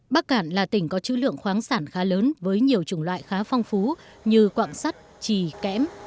bắc cạn là tỉnh có chữ lượng khoáng sản khá lớn với nhiều chủng loại khá phong phú như quạng sắt trì kẽm